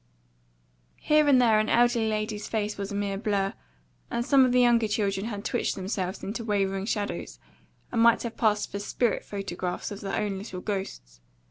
Here and there an elderly lady's face was a mere blur; and some of the younger children had twitched themselves into wavering shadows, and might have passed for spirit photographs of their own little ghosts.